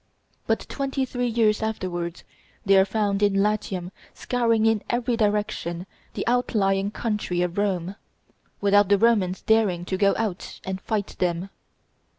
But twenty three years afterwards they are found in Latium scouring in every direction the outlying country of Rome, without the Romans daring to go out and fight them.